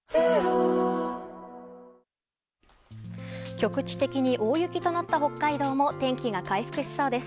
局地的に大雪となった北海道も天気が回復しそうです。